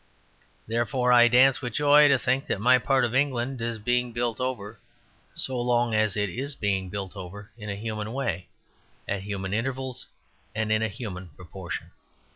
Therefore, I dance with joy to think that my part of England is being built over, so long as it is being built over in a human way at human intervals and in a human proportion.